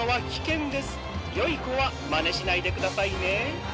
よいこはまねしないでくださいね。